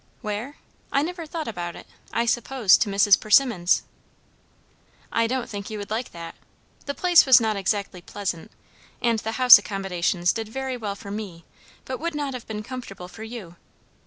"Where? I never thought about it. I suppose to Mrs. Persimmon's." "I don't think you would like that. The place was not exactly pleasant; and the house accommodations did very well for me, but would not have been comfortable for you.